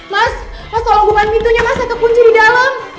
mas tolong bukain pintunya mas saya kekunci di dalam